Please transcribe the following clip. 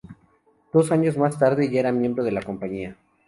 Dos años más tarde ya era miembro de la compañía.